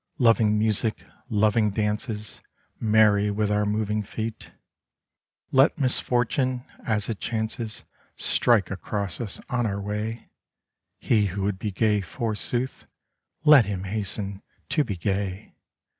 Loving music, loving dances. Merry with our moving feet ! Let misfortune as it chances Strike across us on our way : He who would be gay, forsooth, Let him hasten to be gay.